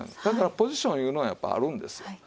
だからポジションいうのやっぱりあるんですよ。